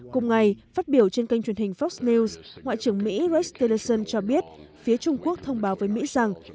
hôm nay phát biểu trên kênh truyền hình fox news ngoại trưởng mỹ ray stilson cho biết phía trung quốc thông báo với mỹ rằng